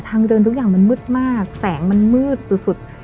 ทางเดินทุกอย่างมันมืดมากแสงมันมืดสุด